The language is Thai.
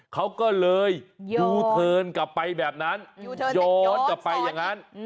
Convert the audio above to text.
เขาก็เลยยูเทิร์นกลับไปแบบนั้นย้อนกลับไปอย่างนั้น